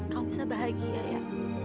kamu bisa bahagia ya